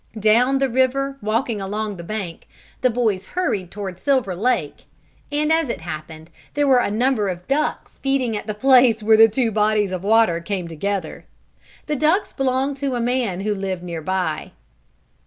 Down the river, walking along the bank, the boys hurried toward Silver Lake, and, as it happened, there were a number of ducks feeding at the place where the two bodies of water came together. The ducks belonged to a man who lived near by.